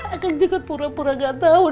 aku juga pura pura nggak tahu dong kang